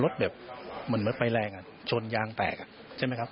รถหนึ่งเหมือนมันไฟแรงจนยางแตก